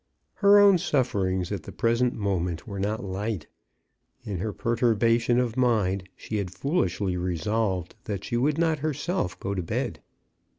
Her own sufferings at the present moment were not light. In her perturbation of mind she had foolishly resolved that she would not her self go to bed.